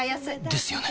ですよね